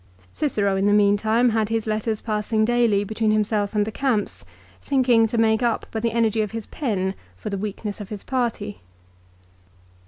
Cicero in the meantime had his letters passing daily between himself and the camps, thinking to make up by the energy of his pen for the weakness of his party.